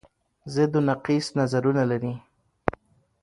ضد و نقیص نظرونه لري